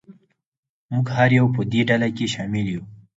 موږ هر یو په دې ډله کې شامل یو.